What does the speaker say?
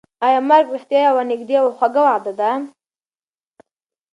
ایا مرګ رښتیا یوه نږدې او خوږه وعده ده؟